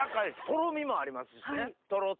とろみもありますしねとろっと。